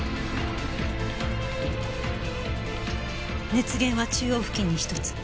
熱源は中央付近に１つ。